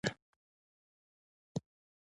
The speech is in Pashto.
دښته د آسمان فرش دی.